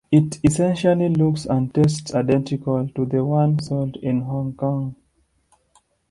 It essentially looks and tastes identical to the one sold in Hong Kong.